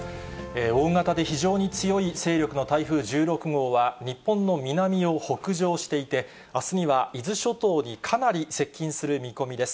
大型で非常に強い勢力の台風１６号は、日本の南を北上していて、あすには伊豆諸島にかなり接近する見込みです。